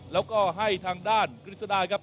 แล้วก็ให้ทางด้านกริซาได้ครับ